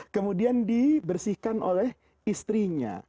kemudian dibersihkan oleh istrinya